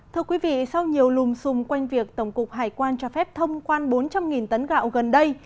thưa quý vị sau nhiều lùm xùm quanh việc tổng cục hải quan cho phép thông quan bốn trăm linh tấn gạo gần đây